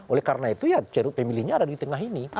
oleh karena itu pemilihnya ada di tengah ini